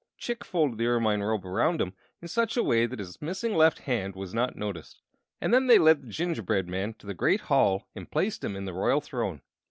Chick folded the ermine robe around him in such a way that his missing left hand was not noticed, and then they led the gingerbread man to the great hall and placed him in the royal throne.